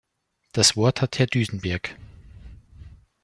Das Wort hat Herr Duisenberg.